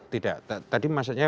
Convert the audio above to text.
tidak tadi maksudnya